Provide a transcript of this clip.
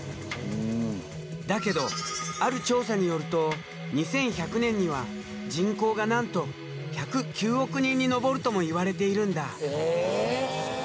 だけどある調査によると２１００年には人口がなんと１０９億人に上るともいわれているんだ。